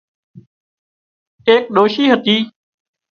ايڪ ڏوشي هتي